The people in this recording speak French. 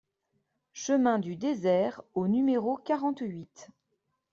Chemin du Désert au numéro quarante-huit